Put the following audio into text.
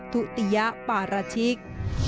ทุติยะปาราชิก